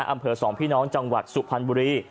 อำเภอสองพี่น้องจังหวัดสุพรรณบุรี